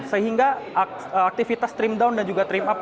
sehingga aktivitas trim down dan juga trim up